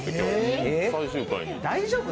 大丈夫？